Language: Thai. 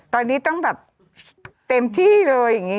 ตอนนี้ต้องแบบเต็มที่เลย